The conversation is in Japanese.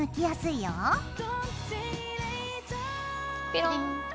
ペロン。